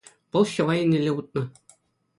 вӑл ҫӑва еннелле утнӑ.